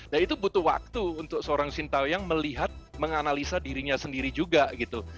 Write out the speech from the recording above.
nah itu butuh waktu untuk seorang sintayong melihat menganalisa dirinya sendiri juga gitu